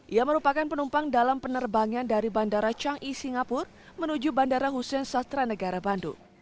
ia merupakan penumpang dalam penerbangan dari bandara chang ih singapura menuju bandara hussein sastra negara bandung